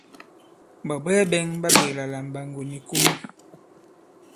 Ɓàbwɛɛ bɛ̄ŋ ɓa ɓēkla la Mɓàŋgò ni Kum.